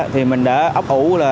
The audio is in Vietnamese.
thì mình đã ốc ủ